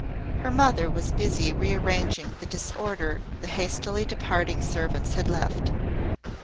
Her mother was busy rearranging the disorder the hastily departing servants had left.